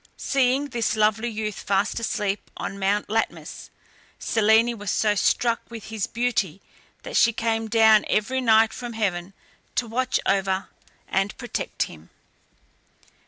Seeing this lovely youth fast asleep on Mount Latmus, Selene was so struck with his beauty, that she came down every night from heaven to watch over and protect him.